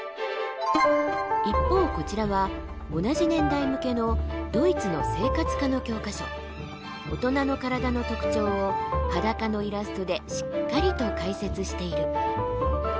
一方こちらは同じ年代向けの大人の体の特徴を裸のイラストでしっかりと解説している。